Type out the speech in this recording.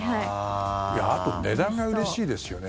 あと値段がうれしいですよね。